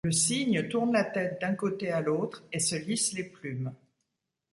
Le cygne tourne la tête d'un côté à l'autre, et se lisse les plumes.